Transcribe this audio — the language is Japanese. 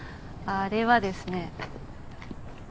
あれはですね。